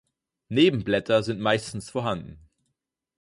Nebenblätter sind meistens vorhanden.